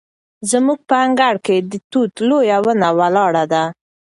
زموږ په انګړ کې د توت لویه ونه ولاړه ده.